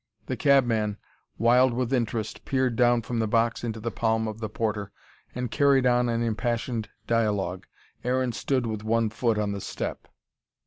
The cabman, wild with interest, peered down from the box into the palm of the porter, and carried on an impassioned dialogue. Aaron stood with one foot on the step.